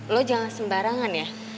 lo jangan sembarangan ya